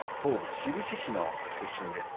志布志市の出身です。